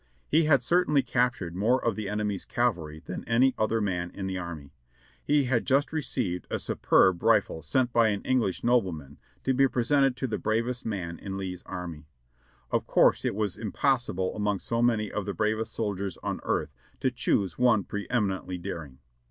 He had certainly captured more of the enemy's cavalry than any other man in the army. He had just received a superb rifle sent by an English nobleman to be presented to the bravest man in Lee's army. Of course it was impossible among so many of the bravest soldiers on earth to choose one preeminently daring.